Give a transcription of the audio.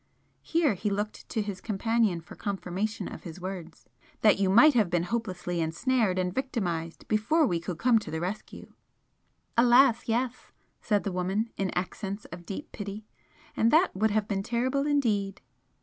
here he looked to his companion for confirmation of his words "that you might have been hopelessly ensnared and victimised before we could come to the rescue." "Alas, yes!" said the woman, in accents of deep pity; "And that would have been terrible indeed!"